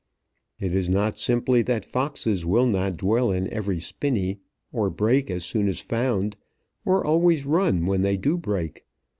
It is not simply that foxes will not dwell in every spinney, or break as soon as found, or always run when they do break.